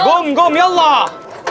gom gom ya allah